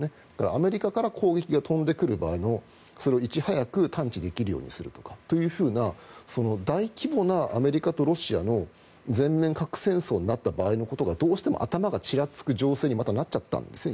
アメリカから攻撃が飛んでくる場合のそれをいち早く探知できるようにするというふうな大規模なアメリカとロシアの全面核戦争になった場合のことがどうしても頭にちらつく情勢にまたなっちゃったんですね